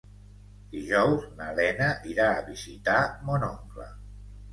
Dijous na Lena irà a visitar mon oncle.